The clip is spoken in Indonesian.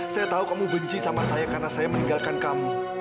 saya tahu kamu benci sama saya karena saya meninggalkan kamu